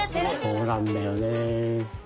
そうなんだよね。